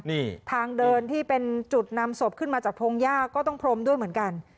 นี่ทางเดินที่เป็นจุดนำศพขึ้นมาจากพงหญ้าก็ต้องพรมด้วยเหมือนกัน